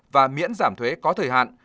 và miễn giảm thuế có thời hạn